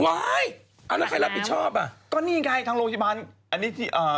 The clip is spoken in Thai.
อ่าแล้วใครรับผิดชอบอ่ะก็นี่ไงทางโรงพยาบาลอันนี้ที่อ่า